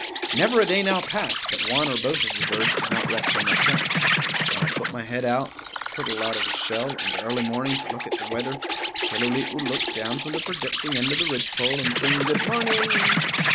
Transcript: Never a day now passed that one or both of the birds did not rest on my tent. When I put my head out, like a turtle out of his shell, in the early morning to look at the weather, Killooleet would look down from the projecting end of the ridgepole and sing good morning.